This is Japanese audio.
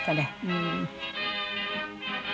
うん。